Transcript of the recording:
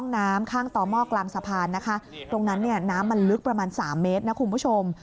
น้ำมันลึกประมาณ๓เมตรนะคุณผู้ชม